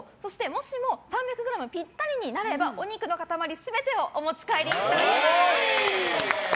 もしも３００ｇピッタリになればお肉の塊全てをお持ち帰りいただけます。